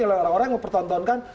orang orang yang mempertontonkan